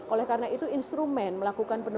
oleh karena itu instrumen melakukan peneliti